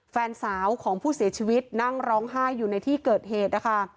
แฟนสาวของผู้เสียชีวิตนั่งร้องไห้อยู่ในที่เกิดเหตุนะคะ